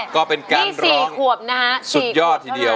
ก็เป็นการร้องสุดยอดที่เดียว